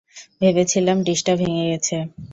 ভেবেছিলাম, ডিসটা ভেঙে গেছে।